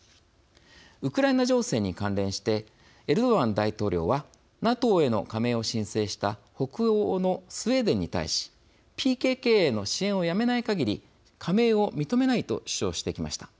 ウクライナ情勢に関連してエルドアン大統領はＮＡＴＯへの加盟を申請した北欧のスウェーデンに対しＰＫＫへの支援をやめないかぎり加盟を認めないと主張してきました。